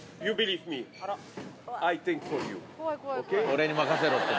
「俺に任せろ」って。